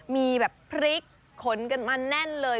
มีแบบพริกขนกันมาแน่นเลย